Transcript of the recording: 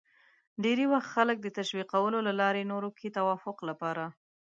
ډېری وخت خلک د تشویقولو له لارې نورو کې د توافق لپاره